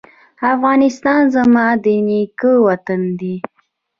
افغانستان زما د نیکه وطن دی؟